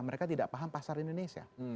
mereka tidak paham pasar indonesia